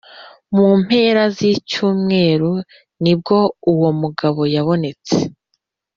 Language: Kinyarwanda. Mu mpera z’icyumweru nibwo uwo mugabo yabonetse